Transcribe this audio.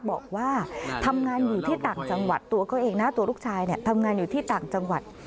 บอกว่าทำงานอยู่ที่ต่างจังหวัดตัวเขาเองนะตัวลูกชายทำงานอยู่ที่ต่างจังหวัด